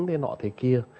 nên ọ thế kia